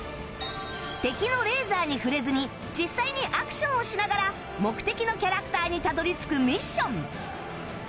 敵のレーザーに触れずに実際にアクションをしながら目的のキャラクターにたどり着くミッション